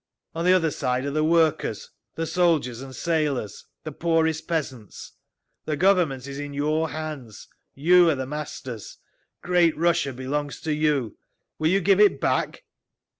On the other side are the workers, the soldiers and sailors, the poorest peasants. The Government is in your hands. You are the masters. Great Russia belongs to you. Will you give it back?"